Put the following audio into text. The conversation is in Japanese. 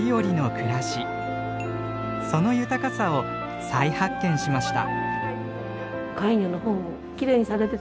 その豊かさを再発見しました。